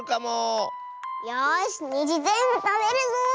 よしにじぜんぶたべるぞ！